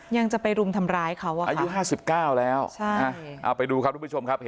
ยังจะไปรุมทำร้ายเขาอะครับ